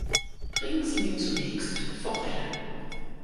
Bringen Sie mir zunächst Forelle.